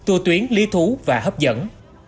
tua tuyến ly thú và hấp dẫn